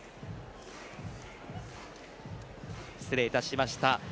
失礼いたしました。